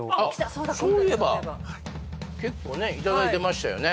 そういえば結構ねいただいてましたよね